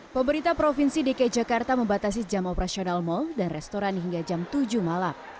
pemerintah provinsi dki jakarta membatasi jam operasional mal dan restoran hingga jam tujuh malam